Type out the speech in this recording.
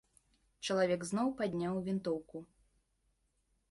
Чалавек зноў падняў вінтоўку.